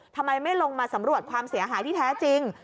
ทำไมไม่ลงมาสำรวจความเสียหายที่แท้จริง